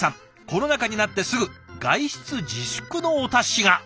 コロナ禍になってすぐ外出自粛のお達しが。